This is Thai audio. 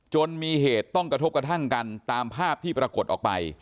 มีเหตุต้องกระทบกระทั่งกันตามภาพที่ปรากฏออกไป